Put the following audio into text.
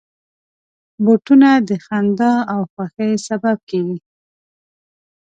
بوټونه د خندا او خوښۍ سبب کېږي.